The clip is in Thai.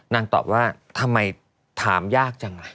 นางตอบว่าทำไมถามยากจัง